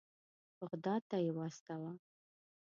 بغداد ته یې واستاوه.